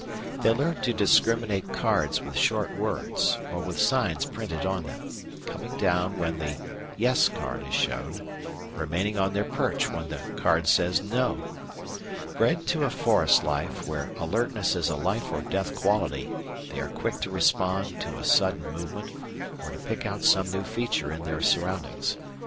They learn to discriminate cards with short words or with signs printed on them, coming down when the "Yes" card is shown, remaining on their perch when the card says "No." Bred to a forest life where alertness is a life or death quality, they are quick to respond to a sudden movement or to pick out some new feature in their surroundings.